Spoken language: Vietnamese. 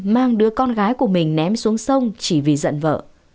mang đứa con gái của mình ném xuống sông chỉ vì giận vợ